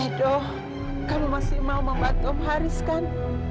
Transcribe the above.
edo kamu masih mau membantu om haris kan